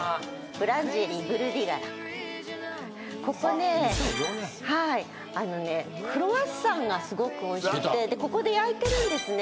ここねクロワッサンがすごく美味しくてここで焼いてるんですね